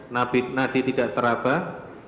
nabi nadi tidak terabah